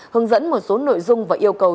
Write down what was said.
hướng dẫn một số nội dung và yêu cầu